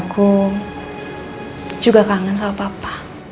aku juga kangen sama papa